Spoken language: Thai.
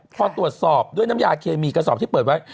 พอตรวจสอบด้วยน้ำยาเคมีกระสอบที่เปิดไว้